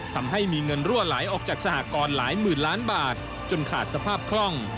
ทำให้มีเงินรั่วไหลออกจากสหกรณ์หลายหมื่นล้านบาทจนขาดสภาพคล่อง